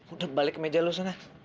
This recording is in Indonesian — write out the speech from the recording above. udah balik ke meja lu sana